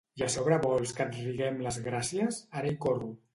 I a sobre vols que et riguem les gràcies? Ara hi corro!